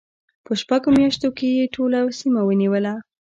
په شپږو میاشتو کې یې ټوله سیمه ونیوله.